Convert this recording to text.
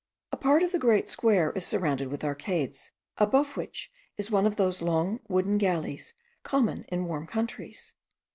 A part of the great square is surrounded with arcades, above which is one of those long wooden galleries, common in warm countries.